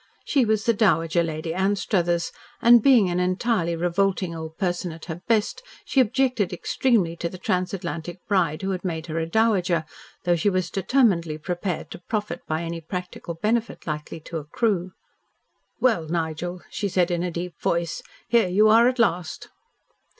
She was the Dowager Lady Anstruthers, and being an entirely revolting old person at her best, she objected extremely to the transatlantic bride who had made her a dowager, though she was determinedly prepared to profit by any practical benefit likely to accrue. "Well, Nigel," she said in a deep voice. "Here you are at last."